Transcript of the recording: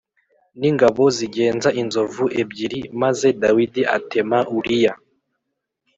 n ingabo zigenza inzovu ebyiri maze Dawidi atema uriya